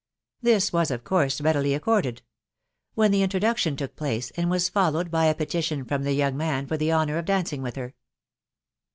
This was of course readily accorded ; when the introduction took place, and was followed by a petition from the young man for the honour of dancing with her.